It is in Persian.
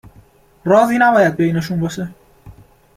رازی نباید بینشون باشه